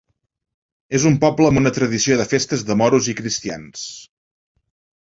És un poble amb una tradició de festes de moros i cristians.